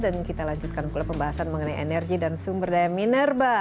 dan kita lanjutkan pembahasan mengenai energi dan sumber daya minerba